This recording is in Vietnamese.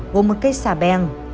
vùng một cây xà beng